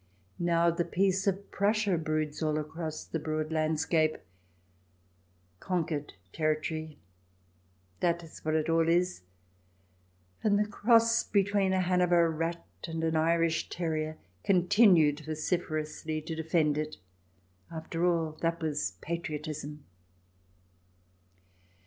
Now the peace of Prussia broods all across the broad landscape. Conquered territory, that is what it all is, and the cross between a Hanover rat and an Irish terrier continued vociferously to defend it. After all, that was patriotism.